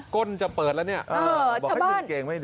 ก้นจะเปิดแล้วเนี่ย